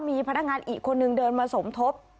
มีพนักงานอีกคนนึงเดินมาสมทบ